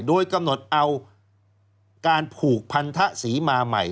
โดยกำหนดเอาการผูกพันธศรีมาใหม่